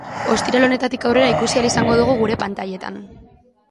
Ostiral honetatik aurrera ikusi ahal izango dugu gure pantailetan.